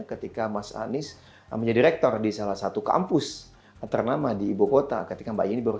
ketika mas anies menjadi rektor di salah satu kampus ternama di ibu kota ketika mbak yeni baru